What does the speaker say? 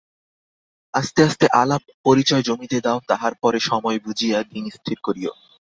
আস্তে আস্তে আলাপ-পরিচয় জমিতে দাও, তাহার পরে সময় বুঝিয়া দিনস্থির করিয়ো।